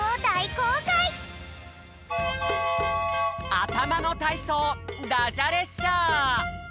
あたまのたいそうダジャ列車！